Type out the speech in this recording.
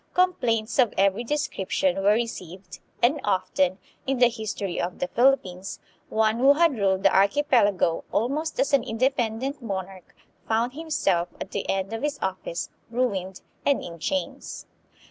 Complaints of every description were re ceived, and often, in the history of the Philippines, one who had ruled the archipelago almost as an independent monarch found himself, at the end of his office, ruined,! and in chains.